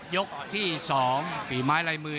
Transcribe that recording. ยกที่๒ฝีไม้ลายมือ